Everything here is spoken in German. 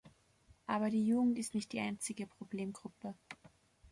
Aber die Jugend ist nicht die einzige Problemgruppe.